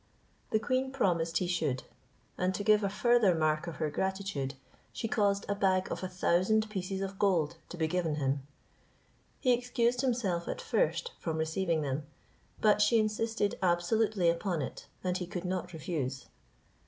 The queen promised he should; and to give a further mark of her gratitude, she caused a bag of a thousand pieces of gold to be given him. He excused himself at first from receiving them, but she insisted absolutely upon it, and he could not refuse.